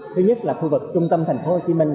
thứ nhất là khu vực trung tâm thành phố hồ chí minh